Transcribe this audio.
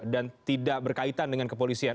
dan tidak berkaitan dengan kepolisian